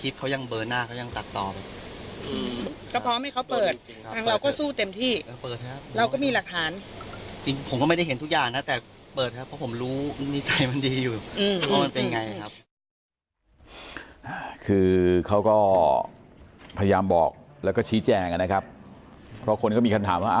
พยายามบอกแล้วก็ชี้แจงกันนะครับเพราะคนก็มีคำถามว่า